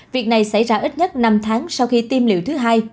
việc này xảy ra ít nhất năm tháng sau khi tiêm liệu thứ hai